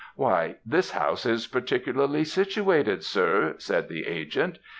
"'Why, this house is particularly situated, sir,' said the agent.